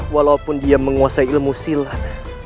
walaupun dia menguasai ilmu silat